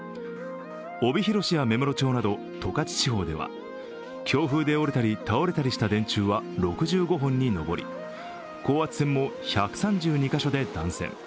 帯広市や芽室町など十勝地方では強風で折れたり倒れたりした電柱は６５本に上り高圧線も１３２カ所で断線。